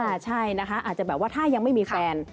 ใช่นะคะอาจจะแบบว่าถ้ายังไม่มีแฟน